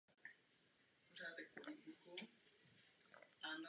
Těm již patřil i sousední Kyjov.